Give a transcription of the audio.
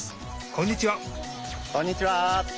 こんにちは！